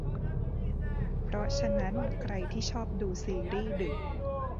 เพราะฉะนั้นใครที่ชอบดูซีรีส์ดึก